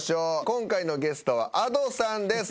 今回のゲストはＡｄｏさんです。